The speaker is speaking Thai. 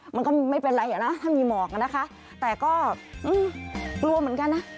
มันก็ไม่เป็นไรอ่ะนะถ้ามีหมอกนะคะแต่ก็กลัวเหมือนกันนะ